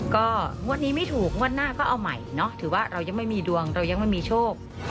ก็งวดนี้ไม่ถูกงวดหน้าก็เอาใหม่เนาะถือว่าเรายังไม่มีดวงเรายังไม่มีโชค